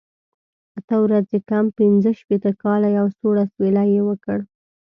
اته ورځې کم پنځه شپېته کاله، یو سوړ اسویلی یې وکړ.